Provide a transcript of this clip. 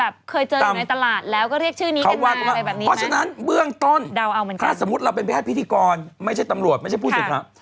เพราะฉะนั้นเบื้องต้นถ้าสมมุติเราเป็นวิทยาพิธีกรไม่ใช่ตำรวจไม่ใช่ผู้สินค้า